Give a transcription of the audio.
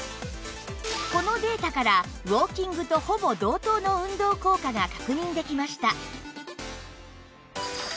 このデータからウォーキングとほぼ同等の運動効果が確認できました